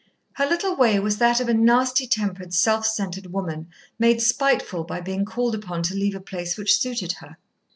Her little way was that of a nasty tempered, self centred woman, made spiteful by being called upon to leave a place which suited her.